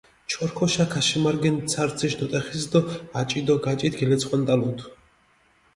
ჩორქოშა ქაშემარგენდჷ ცარციშ ნოტეხის დო აჭი დო გაჭით გილეცხვანტალუდჷ.